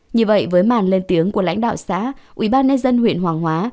như vậy với màn lên tiếng của lãnh đạo xã ubnd huyện hoàng hóa